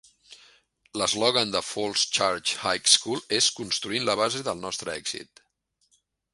L'eslògan de Falls Church High School és "Construint la base del nostre èxit".